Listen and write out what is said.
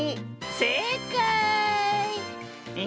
せいかい。